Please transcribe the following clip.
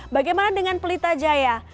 bagaimana dengan pelita jaya